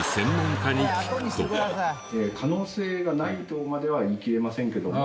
可能性がないとまでは言いきれませんけども。